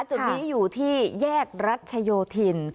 จุดนี้อยู่ที่แยกรัชโยธิน